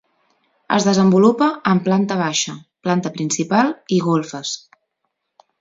Es desenvolupa en planta baixa, planta principal i golfes.